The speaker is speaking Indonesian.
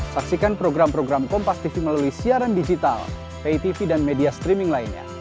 saksikan program program kompas tv melalui siaran digital pay tv dan media streaming lainnya